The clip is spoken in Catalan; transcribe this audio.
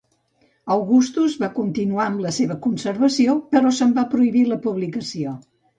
Augustus va continuar amb la seva conservació, però se'n va prohibir la publicació.